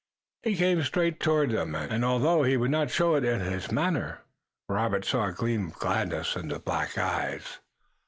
He came straight toward them, and, although he would not show it in his manner, Robert saw a gleam of gladness in the black eyes.